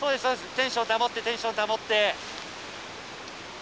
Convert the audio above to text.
テンション保ってテンション保って。